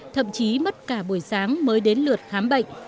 thậm chí mất cả buổi sáng mới đến lượt khám bệnh